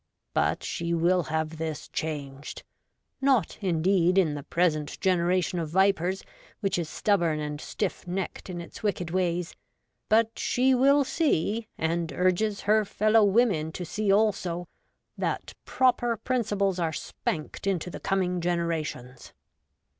But she will have this changed ; not, indeed, in the present generation of vipers, which is stubborn and stiff necked in its wicked ways^; but she will see, and urges her fellow women to see also, that proper principles are spanked into the coming generations.